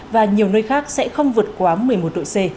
và nhiều nơi khác sẽ không vượt quá một mươi một độ c